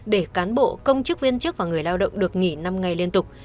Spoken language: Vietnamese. để cán bộ công chức viên chức và người lao động được nghỉ năm ngày liên tục